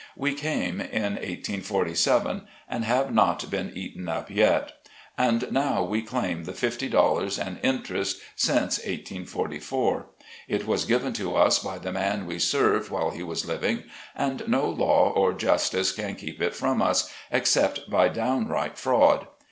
We came in 1847, and have not been eaten up FREEDOM. 27 yet. And now we claim the fifty dollars, and interest, since 1844. It was given to us by the man we served while he was living, and no law or justice can keep it from us, except by downright fraud.